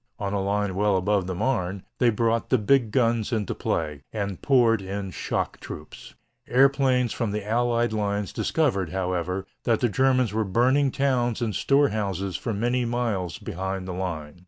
On a line well above the Marne, they brought the big guns into play, and poured in shock troops. Airplanes from the Allied lines discovered, however, that the Germans were burning towns and store houses for many miles behind the line.